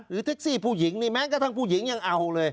แท็กซี่ผู้หญิงนี่แม้กระทั่งผู้หญิงยังเอาเลย